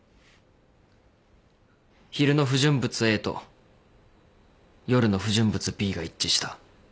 昼の不純物Ａと夜の不純物Ｂが一致した。